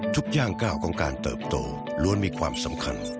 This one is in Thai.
ทุกอย่างก้าวของการเติบโตล้วนมีความสำคัญ